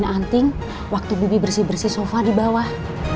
anting waktu bibi bersih bersih sofa di bawah